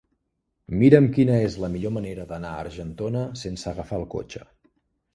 Mira'm quina és la millor manera d'anar a Argentona sense agafar el cotxe.